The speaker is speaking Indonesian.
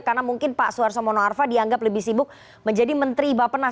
karena mungkin pak soeharto mono arfa dianggap lebih sibuk menjadi menteri bapak pernah